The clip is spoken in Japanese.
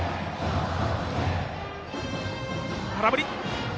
空振り。